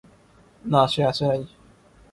না, সে আসে নাই।